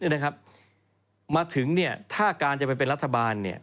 นี่นะครับมาถึงถ้าการจะไปเป็นรัฐบาล